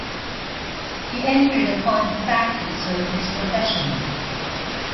He entered upon the practice of his profession.